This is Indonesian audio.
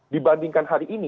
dibandingkan hari ini